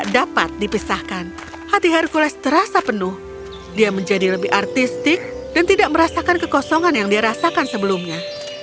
dan tidak merasakan kekosongan yang dia rasakan sebelumnya